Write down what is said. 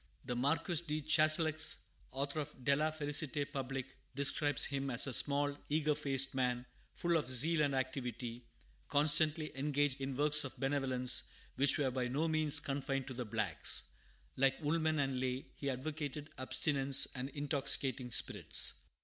The Marquis de Chastellux, author of De la Felicite Publique, describes him as a small, eager faced man, full of zeal and activity, constantly engaged in works of benevolence, which were by no means confined to the blacks. Like Woolman and Lay, he advocated abstinence from intoxicating spirits.